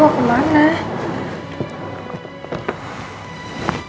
hukum ke bogor ada proyek disana